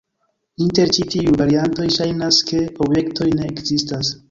Inter ĉi tiuj variantoj ŝajnas ke objektoj ne ekzistas.